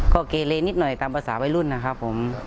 ก็เกเลนิดหน่อยตามภาษาวัยรุ่นนะครับผม